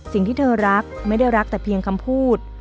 สิ่งที่เธอรักไม่ได้รักแต่เพียงคำพูด